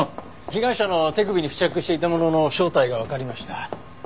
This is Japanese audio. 被害者の手首に付着していたものの正体がわかりました。